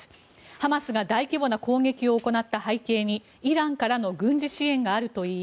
ハマスが大規模な攻撃を行った背景にイランからの軍事支援があるといい